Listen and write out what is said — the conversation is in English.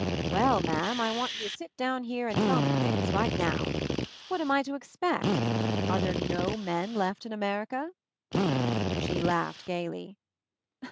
"Well, ma'am, I want you to sit down here and tell me things — right now. What am I to expect? Are there no men left in America?" She laughed gaily.